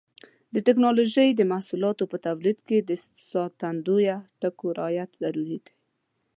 د ټېکنالوجۍ د محصولاتو په تولید کې د ساتندویه ټکو رعایت ضروري دی.